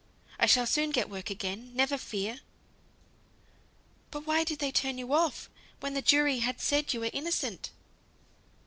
I shall soon get work again, never fear." "But why did they turn you off, when the jury had said you were innocent?"